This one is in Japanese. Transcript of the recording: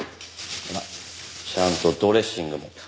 ほらちゃんとドレッシングも。